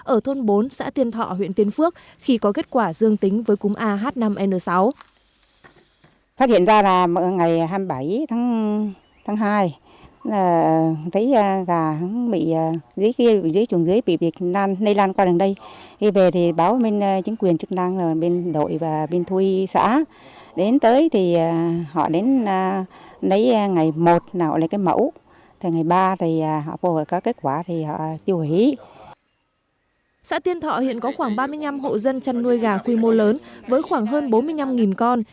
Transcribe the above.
ở thôn bốn xã tiên thọ huyện tiên phước khi có kết quả dương tính với cúm ah năm n sáu